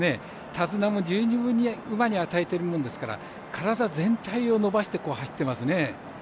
手綱も十二分に馬に与えているものですから体全体を伸ばして走っていますね。